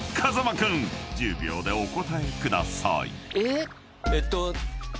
君１０秒でお答えください］えっと。